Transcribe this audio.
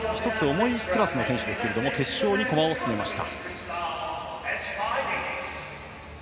重いクラスの選手ですが決勝に駒を進めました。